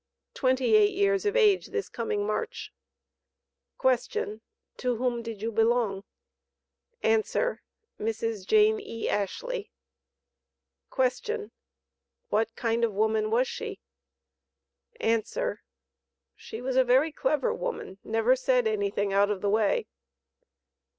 "Twenty eight years of age this coming March." Q. "To whom did you belong?" A. "Mrs. Jane E. Ashley." Q. "What kind of a woman was she?" A. "She was a very clever woman; never said anything out of the way."